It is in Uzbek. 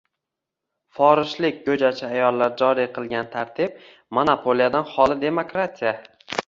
Forishlik go‘jachi ayollar joriy qilgan tartib: monopoliyadan xoli demokratiya